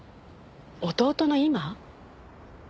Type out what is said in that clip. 弟の今？